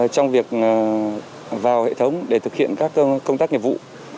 trong việc vào hệ thống để thực hiện các công tác nghiệp vụ